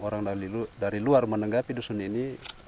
orang dari luar menanggapi dusun ini